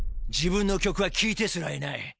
「自分の曲は聞いてすらいない。